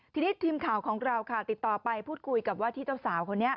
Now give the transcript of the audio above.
ทีนี้ทีมข่าวของเราค่ะติดต่อไปพูดคุยกับว่าที่เจ้าสาวคนนี้